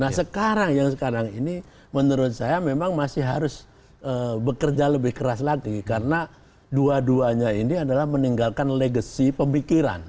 nah sekarang yang sekarang ini menurut saya memang masih harus bekerja lebih keras lagi karena dua duanya ini adalah meninggalkan legacy pemikiran